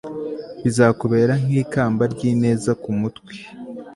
bizakubera nk'ikamba ry'ineza ku mutwe,